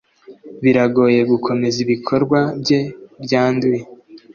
Biragoye gukomeza ibikorwa bye byanduye.